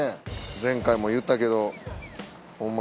前回も言ったけどホンマ。